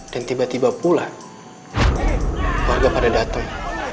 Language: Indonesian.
dan tiba tiba pula warga pada dateng